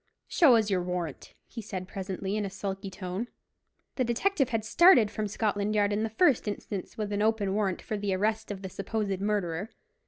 "Show us your warrant," he said presently, in a sulky tone. The detective had started from Scotland Yard in the first instance with an open warrant for the arrest of the supposed murderer.